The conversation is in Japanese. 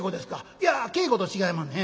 「いや稽古と違いまんねん。